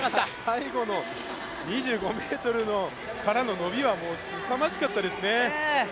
最後の２５ｍからの伸びはすさまじかったですね。